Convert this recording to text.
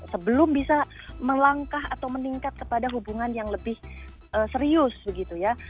sebelum bisa melangkah atau meningkat kepada hubungan yang lebih serius begitu ya